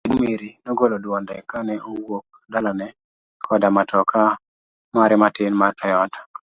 Jaduong' Miri nogolo dwonde kane owuok dalane koda matoka mare matin mar Toyota.